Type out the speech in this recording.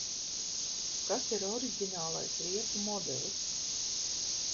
Kas ir oriģinālais riepu modelis?